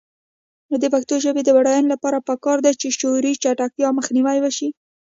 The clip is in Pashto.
د پښتو ژبې د بډاینې لپاره پکار ده چې شعوري چټکتیا مخنیوی شي.